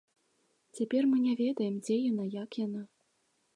Цяпер мы не ведаем, дзе яна, як яна.